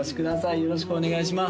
よろしくお願いします